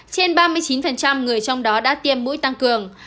trên ba mươi chín người trong đó đã tiêm mũi tăng cường